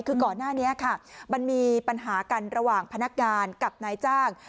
คือก่อนหน้านี้ค่ะมันมีปัญหากันระหว่างพนักงานกับนายจ้าง